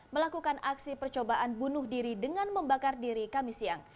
melakukan aksi percobaan bunuh diri dengan membakar diri kami siang